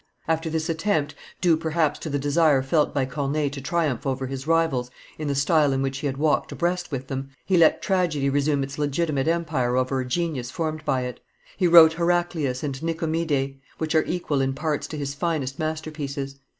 After this attempt, due perhaps to the desire felt by Corneille to triumph over his rivals in the style in which he had walked abreast with them, he let tragedy resume its legitimate empire over a genius formed by it. He wrote Heraclius and Nicomede, which are equal in parts to his finest masterpieces.